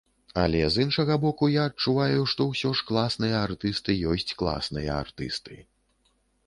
Але з іншага боку, я адчуваю, што ўсё ж класныя артысты ёсць класныя артысты.